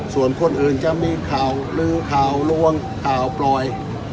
ส่วนคนอื่นจะมีข่าวลือข่าวลวงข่าวปล่อย